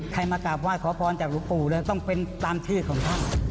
ใครมากลับวาดขอพรจากลูกปูต้องเป็นตามชื่อของพ่อ